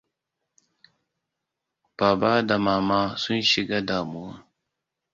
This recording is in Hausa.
Baba da Mama sun shiga damuwa.